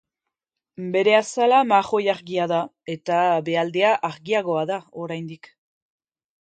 Bere azala marroi argia da, eta behealdea argiagoa da oraindik.